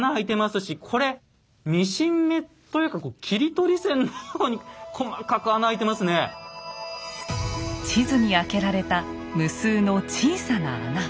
しこれミシン目というか地図にあけられた無数の小さな穴。